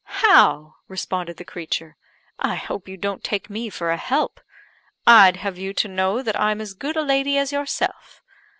"How!" responded the creature, "I hope you don't take me for a help. I'd have you to know that I'm as good a lady as yourself.